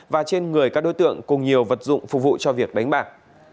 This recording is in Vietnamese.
và trên người các đối tượng cùng nhiều vật dụng phục vụ cho việc đánh bạc